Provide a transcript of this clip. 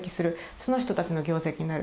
その人たちの業績になる。